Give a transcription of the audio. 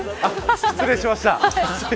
失礼しました。